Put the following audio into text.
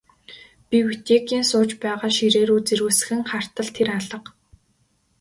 Би Витекийн сууж байгаа ширээ рүү зэрвэсхэн хартал тэр алга.